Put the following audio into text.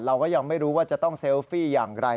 เราก็ยังไม่รู้ว่าจะต้องเซลฟี่อย่างไร